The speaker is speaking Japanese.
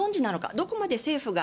どこまで政府が。